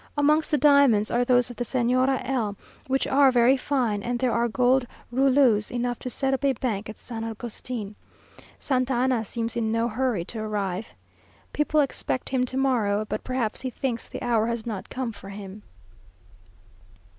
Amongst the diamonds are those of the Señora L , which are very fine, and there are gold rouleaus enough to set up a bank at San Agustin. Santa Anna seems in no hurry to arrive. People expect him to morrow, but perhaps he thinks the hour has not come for him.